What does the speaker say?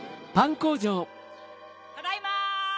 ただいま！